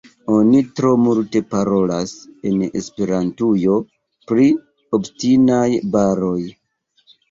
Oni tro multe parolas en Esperantujo pri “obstinaj baroj”.